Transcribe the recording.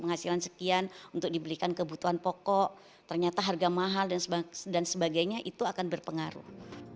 penghasilan sekian untuk dibelikan kebutuhan pokok ternyata harga mahal dan sebagainya itu akan berpengaruh